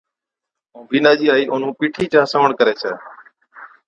ائُون بِينڏا چِي آئِي اونَھُون پِيٺِي چا سنوَڻ ڪرَي ڇَي